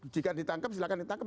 jika ditangkap silakan ditangkap